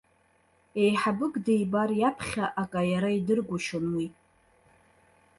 Еиҳабык дибар иаԥхьа акаиара идыргәышьон уи.